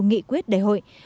nghị quyết đại hội